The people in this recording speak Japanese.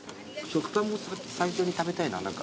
食パン最初に食べたいな。